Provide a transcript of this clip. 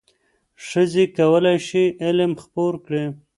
ښځې کولای شي علم خپور کړي.